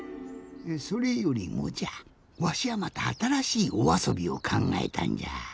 それよりもじゃわしはまたあたらしいおあそびをかんがえたんじゃ。